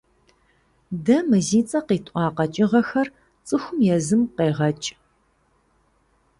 Дэ мы зи цӀэ къитӀуа къэкӀыгъэхэр цӀыхум езым къегъэкӀ.